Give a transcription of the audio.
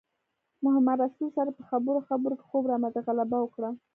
محمدرسول سره په خبرو خبرو کې خوب راباندې غلبه وکړه.